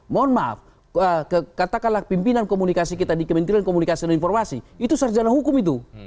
mohon maaf katakanlah pimpinan komunikasi kita di kementerian komunikasi dan informasi itu sarjana hukum itu